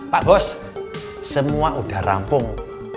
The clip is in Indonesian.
pak bos semua udah rampung